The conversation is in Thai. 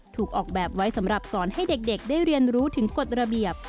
ถูกออกแบบไว้สำหรับสอนให้เด็กได้เรียนรู้ถึงกฎระเบียบ